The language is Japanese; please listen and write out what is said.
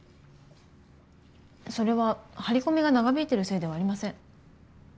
それは張り込みが長引いてるせいではありません。